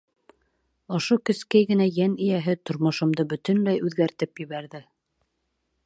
Ошо кескәй генә йән эйәһе тормошомдо бөтөнләй үҙгәртеп ебәрҙе.